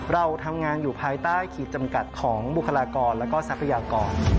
เราทำงานอยู่ภายใต้ขีดจำกัดของบุคลากรและก็ทรัพยากร